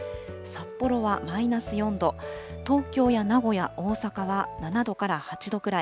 札幌はマイナス４度、東京や名古屋、大阪は７度から８度くらい。